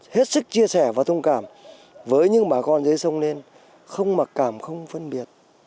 hết sức chia sẻ và thông cảm với những bà con dưới sông lên không mặc cảm không phân biệt